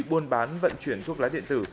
buôn bán vận chuyển thuốc lá điện tử